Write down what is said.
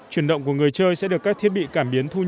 chuyển động của người chơi sẽ được các thiết bị cảm biến thu nhập